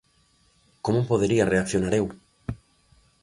Como podería reaccionar eu?